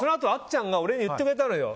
ちゃんが俺に言ってくれたのよ。